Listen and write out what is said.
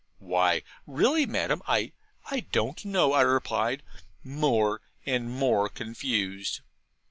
'Why, really, ma'am, I I don't know,' I replied, more and more confused.